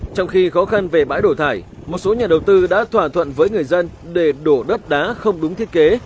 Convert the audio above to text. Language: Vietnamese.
trong khi khó khăn về bãi đổ thải một số nhà đầu tư đã thỏa thuận với người dân để đổ đất đá không đúng thiết kế